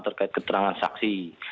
terkait keterangan saksi